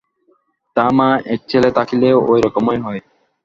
তা মা, এক ছেলে থাকিলে ঐরকমই হয়।